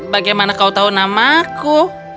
bagaimana kau tahu nama aku